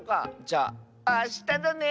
じゃあしただね！